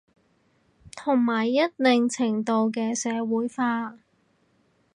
同埋一定程度嘅社會化